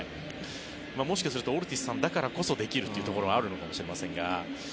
もしかするとオルティスさんだからできるというところもあるのかもしれませんが。